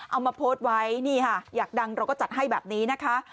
เอามาโพสต์ไว้นี่ค่ะอยากดังเราก็จัดให้แบบนี้นะคะ